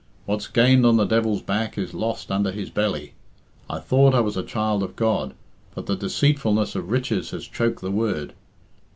What's gained on the devil's back is lost under his belly. I thought I was a child of God, but the deceitfulness of riches has choked the word.